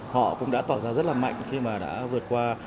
họ cũng đã tỏ ra rất là mạnh khi mà đã vượt qua